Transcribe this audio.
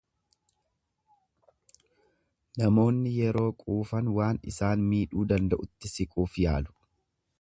Namoonni yeroo quufan waan isaan miidhuu danda'utti siquuf yaalu.